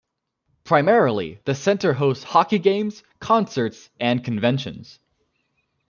Primarily, the Center hosts hockey games, concerts and conventions.